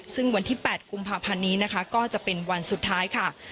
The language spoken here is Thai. ซึ่งวันที่๘กุมภาพันธ์นี้นะคะก็จะเป็นวันสุดท้ายค่ะ